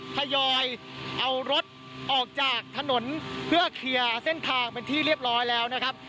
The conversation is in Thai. ทยอยเอารถออกจากถนนเพื่อเคลียร์เส้นทางเป็นที่เรียบร้อยแล้วนะครับ